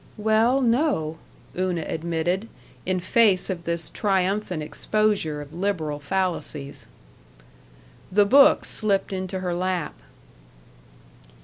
"Well, no," Una admitted, in face of this triumphant exposure of liberal fallacies. The book slipped into her lap.